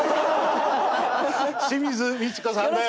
清水ミチコさんです！